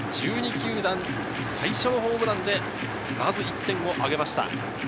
１２球団、最初のホームランでまず１点をあげました。